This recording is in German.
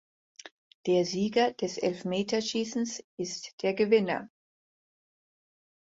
Der Sieger des Elfmeterschießens ist der Gewinner.